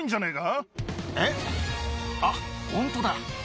あっホントだ。